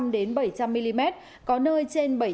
đến bảy trăm linh mm có nơi trên